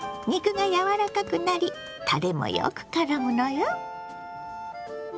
肉がやわらかくなりたれもよくからむのよ。